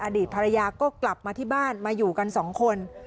อดีตภรรยาก็กลับมาที่บ้านมาอยู่กันสองคน